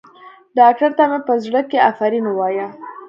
ډاکتر ته مې په زړه کښې افرين ووايه.